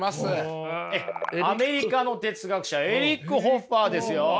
ええアメリカの哲学者エリック・ホッファーですよ。